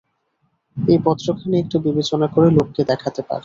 এই পত্রখানি একটু বিবেচনা করে লোককে দেখাতে পার।